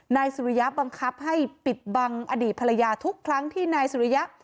นายสุริยะบังคับให้ปิดบังอดีตภรรยาทุกครั้งที่นายสุริยะ